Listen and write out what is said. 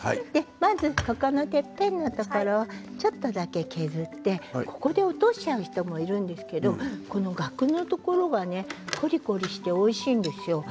まずここのてっぺんのところをちょっとだけ削ってここで落としちゃう人もいるんですけどこのガクの部分がコリコリしておいしいんですよ。